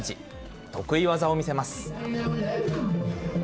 得意技を見せます。